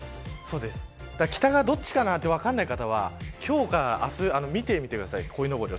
北がどっちか分からない方は今日か明日見てみてください、こいのぼり。